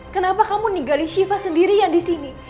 kenapa kamu ninggalin siva sendiri yang disini